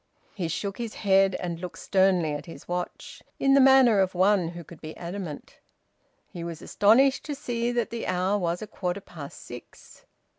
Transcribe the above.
He shook his head, and looked sternly at his watch, in the manner of one who could be adamant. He was astonished to see that the hour was a quarter past six.